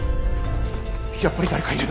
やっぱり誰かいる。